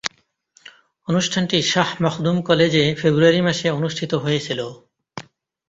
অনুষ্ঠানটি শাহ মখদুম কলেজে ফেব্রুয়ারি মাসে অনুষ্ঠিত হয়েছিলো।